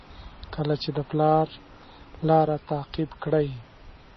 کله چې د پلار لاره تعقیب کړئ.